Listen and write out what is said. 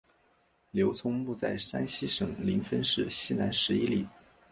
刘聪墓在山西省临汾市西南十一里。